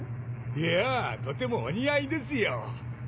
いやぁとてもお似合いですよ。